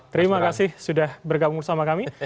terima kasih sudah bergabung bersama kami